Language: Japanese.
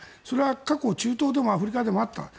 それは過去中東でもアフリカでもあった。